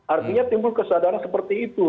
artinya timbul kesadaran seperti itu